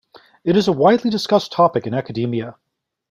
It is a widely discussed topic in academia.